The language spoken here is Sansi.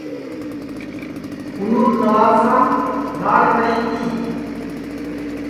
اُنون نوابشام راڑ کری تی